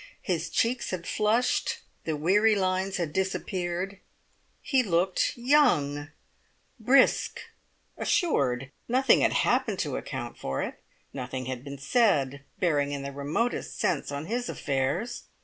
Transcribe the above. His cheeks had flushed, the weary lines had disappeared, he looked young, brisk, assured. Nothing had happened to account for it; nothing had been said, bearing in the remotest sense on his affairs.